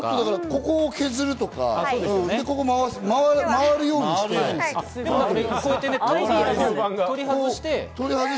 ここを削るとか、ここは回るようにするとか。